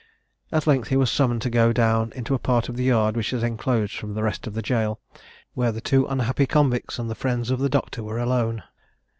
"At length he was summoned to go down into a part of the yard which is enclosed from the rest of the gaol, where the two unhappy convicts and the friends of the doctor were alone.